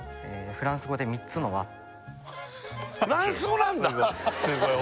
フランス語なんだ！